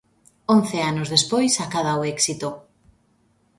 Once anos despois acada o éxito.